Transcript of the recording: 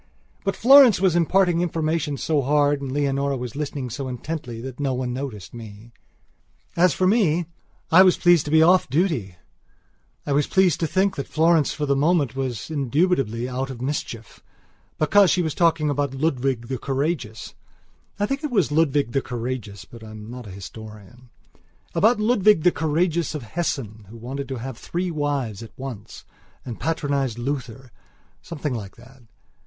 But Florence was imparting information so hard and Leonora was listening so intently that no one noticed me. As for me, I was pleased to be off duty; I was pleased to think that Florence for the moment was indubitably out of mischiefbecause she was talking about Ludwig the Courageous (I think it was Ludwig the Courageous but I am not an historian) about Ludwig the Courageous of Hessen who wanted to have three wives at once and patronized Luthersomething like that!